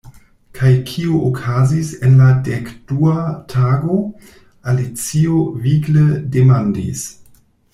"Kaj kio okazis en la dekdua tago," Alicio vigle demandis.